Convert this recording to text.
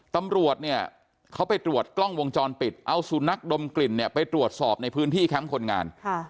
ตำรวจเนี่ยเขาไปตรวจกล้องวงจรปิดเอาสุนัขดมกลิ่นเนี่ยไปตรวจสอบในพื้นที่แคมป์คนงาน